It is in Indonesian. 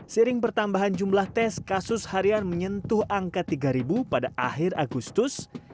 sering pertambahan jumlah tes kasus harian menyentuh angka tiga pada akhir agustus